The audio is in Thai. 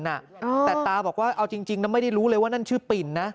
แต่ตาบอกว่าเอาจริงนะไม่ได้รู้เลยว่านั่นชื่อปิ่นนะ